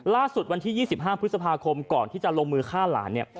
ล่าสุดวันที่๒๕พฤษภาคมก่อนที่จะลงมือฆ่าหลาน